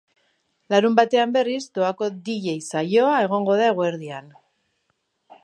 Larunbatean, berriz, doako dj saioa egongo da eguerdian.